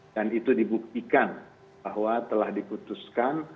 dan itu dibuktikan bahwa telah diputuskan